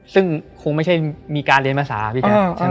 ซึ่งคงไม่ใช่มีการเรียนภาษาพี่แจ๊ค